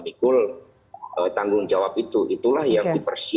saya ingin kasih ceritakan karena anda tahu babak saya di penjelasan dari pak g catal